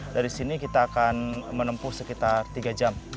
dari sini kita akan menempuh sekitar tiga jam